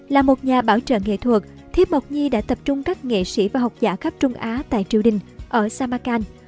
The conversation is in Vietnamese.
là một nhà bảo trợ nghệ thuật thiếp mộc nhi đã tập trung các nghệ sĩ và học giả khắp trung á tại triều đình ở samacan